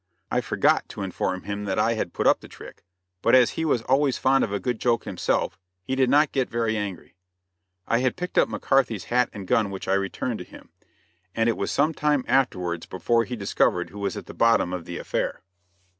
I forgot to inform him that I had put up the trick, but as he was always fond of a good joke himself, he did not get very angry. I had picked up McCarthy's hat and gun which I returned to him, and it was some time afterwards before he discovered who was at the bottom of the affair.